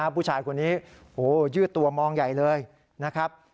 ผู้ชายคนนี้ยืดตัวมองใหญ่เลยนะครับ